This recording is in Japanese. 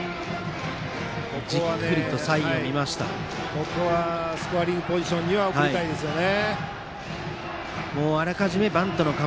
ここはスコアリングポジションには送りたいですね。